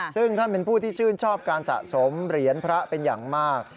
ซึ่งท่านเป็นผู้ที่ชื่นชอบการสะสมเหรียญพระเป็นอย่างมาก